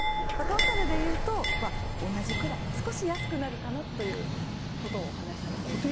トータルでいうと同じくらい少し安くなるかなということをお話しされていました。